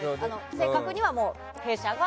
正確には弊社が